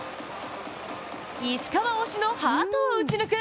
石川推しのハートを撃ち抜く